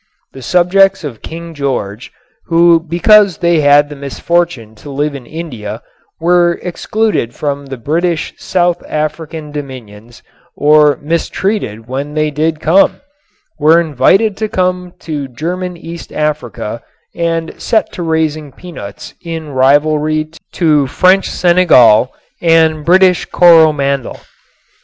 The subjects of King George who because they had the misfortune to live in India were excluded from the British South African dominions or mistreated when they did come, were invited to come to German East Africa and set to raising peanuts in rivalry to French Senegal and British Coromandel.